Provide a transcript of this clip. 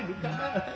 ハハハハ。